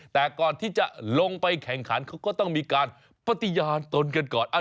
แต่ก่อนที่จะลงไปแข่งขันเขาก็ต้องมีการปฏิญาณตนกันก่อน